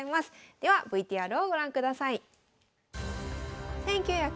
ではＶＴＲをご覧ください。